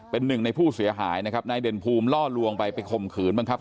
เป็นหนึ่งในผู้เสียหายนะครับนายเด่นภูมิล่อลวงไปไปข่มขืนบ้างครับ